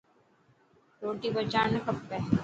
روٽي بچائڻ نه کپي.